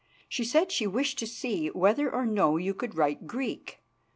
She said she wished to see whether or no you could write Greek.